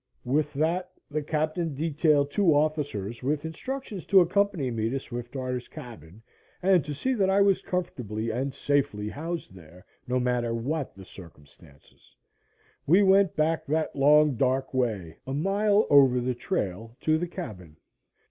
With that the captain detailed two officers with instructions to accompany me to Swiftwater's cabin and to see that I was comfortably and safely housed there, no matter what the circumstances. We went back that long, dark way, a mile over the trail to the cabin.